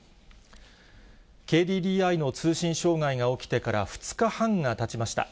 ＫＤＤＩの通信障害が起きてから２日半がたちました。